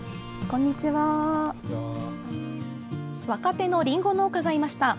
若手のりんご農家がいました。